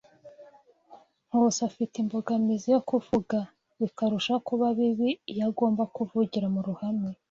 Nkusi afite imbogamizi zo kuvuga, bikarushaho kuba bibi iyo agomba kuvugira mu ruhame.